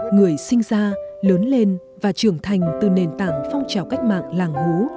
người sinh ra lớn lên và trưởng thành từ nền tảng phong trào cách mạng làng hú